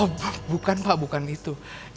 oh bukan pak bukan itu